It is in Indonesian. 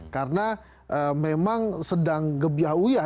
karena memang sedang gebiah uyah